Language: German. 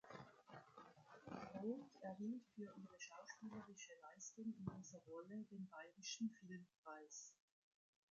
Roth erhielt für ihre schauspielerische Leistung in dieser Rolle den Bayerischen Filmpreis.